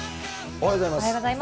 おはようございます。